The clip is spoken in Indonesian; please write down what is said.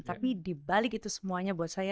tapi dibalik itu semuanya buat saya